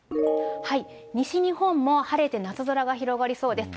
西日本も晴れて夏空が広がりそうです。